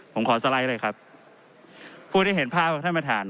ผมขอสไลด์เลยครับ